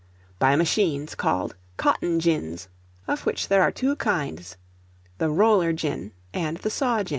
By machines called cotton gins, of which there are two kinds; the roller gin, and the saw gin.